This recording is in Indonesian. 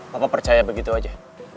papa percaya begitu aja